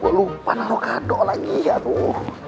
gue lupa taruh kado lagi ya tuh